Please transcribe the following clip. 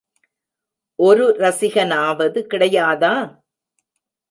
ஒரு ரசிகனாவது கிடையாதா?